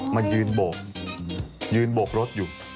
มายืนโบกยืนโบกรถอยู่